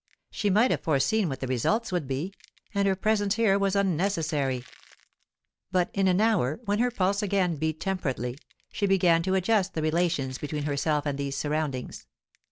She might have foreseen what the result would be, and her presence here was unnecessary. But in an hour, when her pulse again beat temperately, she began to adjust the relations between herself and these surroundings.